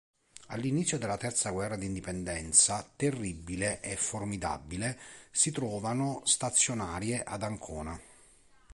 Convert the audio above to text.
All'inizio della terza guerra d'indipendenza "Terribile" e "Formidabile" si trovavano stazionarie ad Ancona.